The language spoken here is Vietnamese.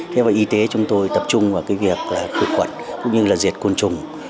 thế và y tế chúng tôi tập trung vào việc khử khuẩn cũng như là diệt côn trùng